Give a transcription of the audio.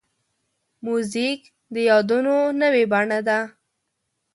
موزیک د یادونو نوې بڼه ده.